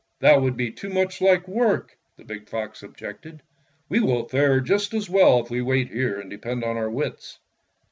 That would be too much like work," the big fox objected. "We will fare just as well if we wait here and depend on our wits."